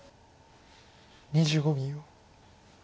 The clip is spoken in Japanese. ２５秒。